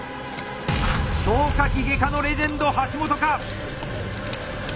消化器外科のレジェンド橋本か？